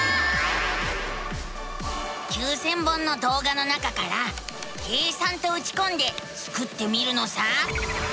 ９，０００本のどうがの中から「計算」とうちこんでスクってみるのさ。